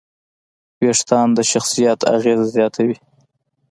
وېښتيان د شخصیت اغېز زیاتوي.